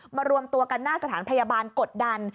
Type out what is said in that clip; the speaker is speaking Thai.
รวมตัวกันหน้าสถานพยาบาลกดดัน